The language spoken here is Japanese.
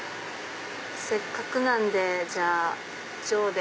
せっかくなんでじゃあ上で。